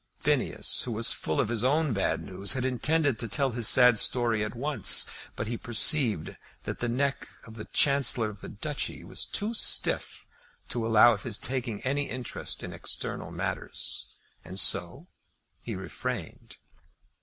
Phineas, who was full of his own bad news, had intended to tell his sad story at once. But he perceived that the neck of the Chancellor of the Duchy was too stiff to allow of his taking any interest in external matters, and so he refrained.